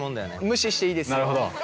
無視していいですよ。